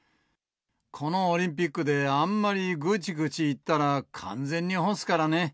このオリンピックであんまりぐちぐち言ったら、完全に干すからね。